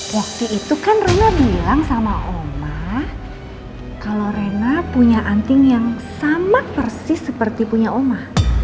waktu itu kan rena bilang sama oma kalau rena punya anting yang sama persis seperti punya oma